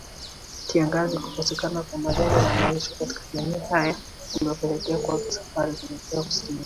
Kiangazi Kukosekana kwa majani ya malisho katika maeneo hayo kuliwapelekea kuanza safari kuelekea kusini